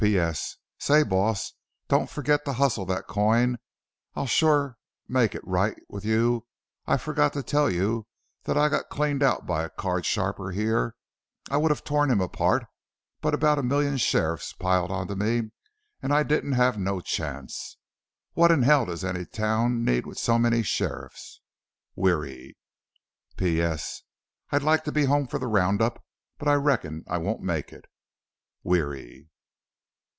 P. S. say boss dont forgit to hustel that coin ile shure make it right with you i forgot to tell you that i got cleaned out by a card sharper here i would have tore him apart but about a million sheriffs piled onto me an i dident have no chancst what in hell does any town need with so many sheriffs. "Weary. "P. S. id like to be home for the round up but reckon i wont make it. "Weary."